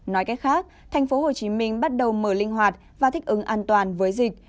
nói cách khác thành phố hồ chí minh bắt đầu mở linh hoạt và thích ứng an toàn với dịch